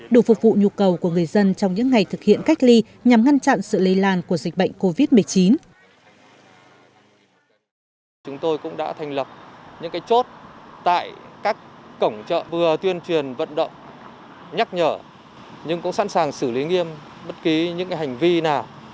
đủ phục vụ nhu cầu của người dân trong những ngày thực hiện cách ly nhằm ngăn chặn sự lây lan của dịch bệnh covid một mươi chín